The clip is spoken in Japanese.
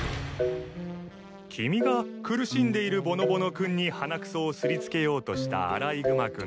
君が苦しんでいるぼのぼの君に鼻くそをすりつけようとしたアライグマ君だね。